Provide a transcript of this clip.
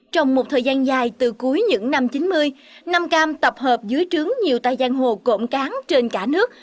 trong một thời gian dài từ cuối những năm chín mươi năm cam tập hợp dưới trướng nhiều tay giang hồ cộm cán trên cả nước